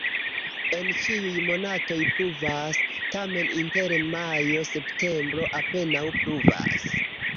En ĉiuj monatoj pluvas, tamen inter majo-septembro apenaŭ pluvas.